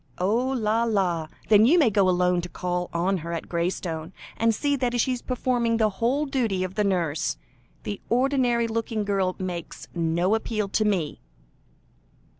"Oh! la, la! then you may go alone to call on her at Graystone, and see that she is performing the whole duty of the nurse. The ordinary looking girl makes no appeal to me."